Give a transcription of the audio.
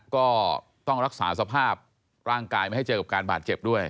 ก็ต้องรักษาสภาพร่างกายไม่ให้เจอกับการบาดเจ็บด้วย